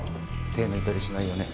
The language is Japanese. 手抜いたりしないよね？